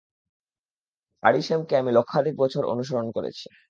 আরিশেমকে আমি লক্ষাধিক বছর অনুসরণ করেছি।